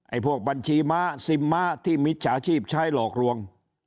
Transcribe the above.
พวกบัญชีม้าซิมม้าที่มิจฉาชีพใช้หลอกลวง